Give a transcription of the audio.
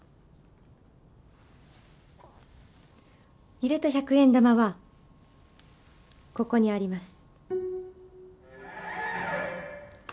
入れた１００円玉はここにあります。